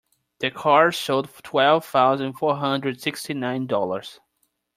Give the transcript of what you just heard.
The car sold for twelve thousand four hundred and sixty nine dollars.